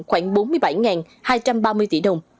khoảng bốn mươi bảy hai trăm ba mươi tỷ đồng